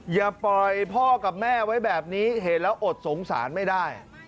อย่าปล่อยพ่อกับแม่ไว้แบบนี้เห็นแล้วอดสงสารไม่ได้